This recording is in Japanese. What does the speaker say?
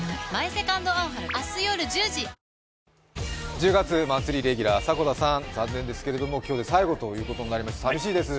１０月マンスリーレギュラーの迫田さん、残念ですけど今日で最後ということになりました、寂しいです。